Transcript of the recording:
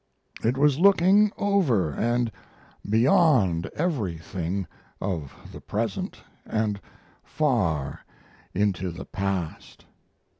It was looking over and beyond everything of the present, and far into the past....